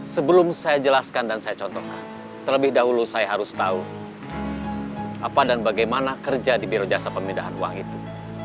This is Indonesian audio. sebelum saya jelaskan dan saya contohkan terlebih dahulu saya harus tahu apa dan bagaimana kerja di biro jasa pemindahan uang itu